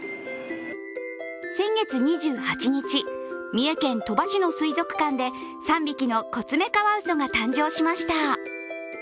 先月２８日、三重県鳥羽市の水族館で３匹のコツメカワウソが誕生しました。